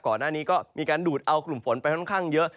ก่อนหน้านี้ก็มีการดูดเอากลุ่มฝนไปค่อนข้างเยอะ